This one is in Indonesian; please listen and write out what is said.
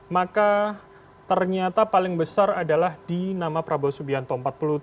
maka ternyata paling besar adalah di nama prabowo subianto